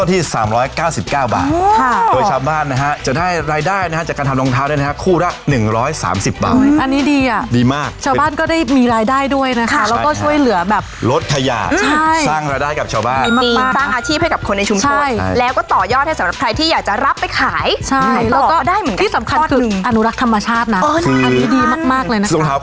แต่มันก็ยังเป็นขยะ